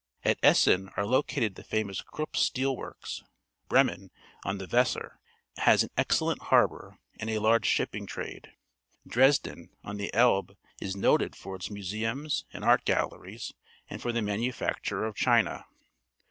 At Essen are located the fanious^Krupp"steel works. Bremen , on the Weser, has an excellent harbour and a large s hipping trad e. Dresden, on the Elbe, is noted for its museums and art galleries and for the manufacture of china.